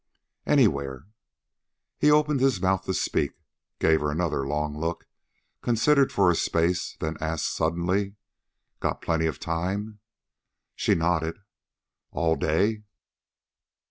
"Anywhere." He opened his mouth to speak, gave her another long look, considered for a space, then asked suddenly: "Got plenty of time?" She nodded. "All day?"